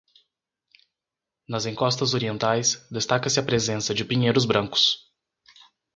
Nas encostas orientais, destaca-se a presença de pinheiros brancos.